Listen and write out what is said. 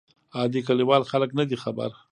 عادي کلیوال خلک نه دي خبر.